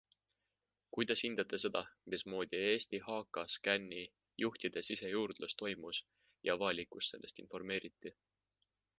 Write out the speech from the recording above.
Kuidas hindate seda, mismoodi Eesti HKScani juhtide sisejuurdlus toimus ja avalikkust sellest informeeriti?